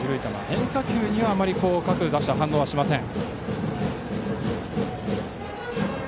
変化球にはあまり各打者反応はしません。